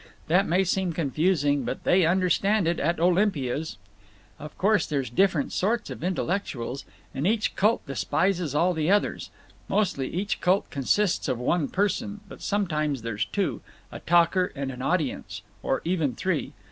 That may seem confusing, but they understand it at Olympia's. "Of course there's different sorts of intellectuals, and each cult despises all the others. Mostly, each cult consists of one person, but sometimes there's two—a talker and an audience—or even three.